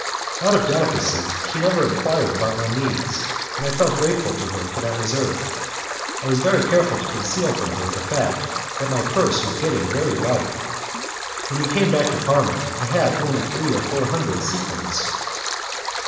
Out of delicacy, she had never enquired about my means, and I felt grateful to her for that reserve. I was very careful to conceal from her the fact that my purse was getting very light. When we came back to Parma I had only three or four hundred sequins.